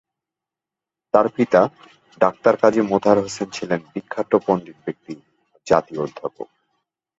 তার পিতা ডাক্তার কাজী মোতাহার হোসেন ছিলেন বিখ্যাত পণ্ডিত ব্যক্তি ও জাতীয় অধ্যাপক।